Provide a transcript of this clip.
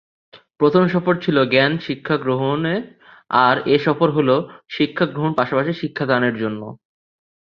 প্রথম সফর ছিল জ্ঞান শিক্ষা গ্রহণের আর এ সফর হলো শিক্ষা গ্রহণ পাশাপাশি শিক্ষাদানের জন্য।